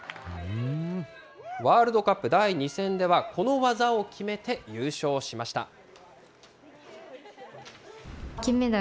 ワールドカップ第２戦ではこの技を決めて、優勝しました。